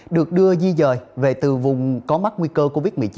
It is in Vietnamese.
được đưa di dời về từ vùng có mắc nguy cơ covid một mươi chín